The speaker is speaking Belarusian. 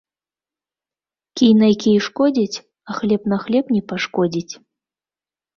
Кій на кій шкодзіць, а хлеб на хлеб не пашкодзіць.